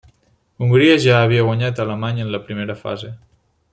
Hongria ja havia guanyat a Alemanya en la primera fase.